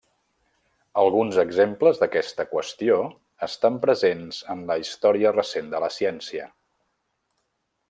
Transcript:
Alguns exemples d'aquesta qüestió estan presents en la història recent de la ciència.